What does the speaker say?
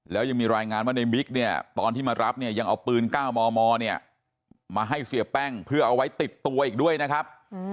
และยังมีรายงานว่าในมิคตอนที่มารับยังเอาปืน๙มมมาให้เสียแป้งเพื่อเอาไว้ติดตัวอีกด้วยนะครับ